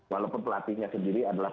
walaupun pelatihnya sendiri adalah